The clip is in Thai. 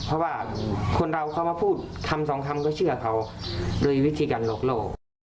เพราะว่าคนเราเขามาพูดคำสองคำก็เชื่อเขาโดยวิธีการหลอกโลก